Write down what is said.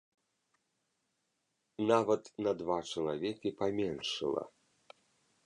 Нават на два чалавекі паменшала.